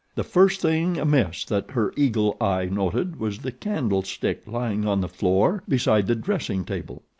The first thing amiss that her eagle eye noted was the candlestick lying on the floor beside the dressing table.